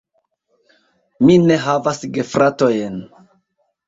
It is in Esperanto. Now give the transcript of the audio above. Mi ne havas gefratojn.